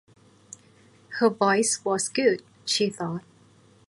Her voice was good, she thought.